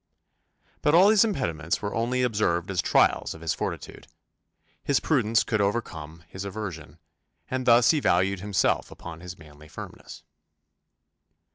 But all these impediments were only observed as trials of his fortitude his prudence could overcome his aversion, and thus he valued himself upon his manly firmness.